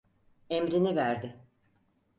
Emrini verdi.